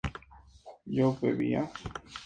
¿yo bebía?